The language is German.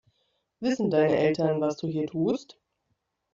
Wissen deine Eltern, was du hier tust?